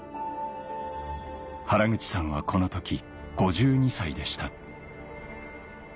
原口さんはこの時５２歳でした